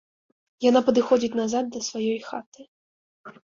Яна падыходзіць назад да сваёй хаты.